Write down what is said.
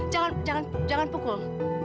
jangan jangan jangan pukul